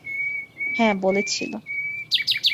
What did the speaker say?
হ্যাঁ, বলেছিল।